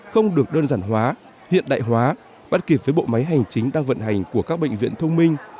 không được đơn giản hóa hiện đại hóa bắt kịp với bộ máy hành chính đang vận hành của các bệnh viện thông minh